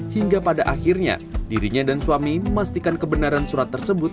hingga pada akhirnya dirinya dan suami memastikan kebenaran surat tersebut